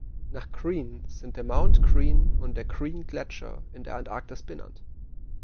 Nach Crean sind der Mount Crean und der Crean-Gletscher in der Antarktis benannt.